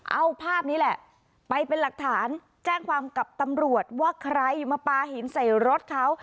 เอาภาพนี้แหละไปเป็นหลักฐานแจ้งความกับตำรวจว่าใครมาปลาหินใส่รถเขา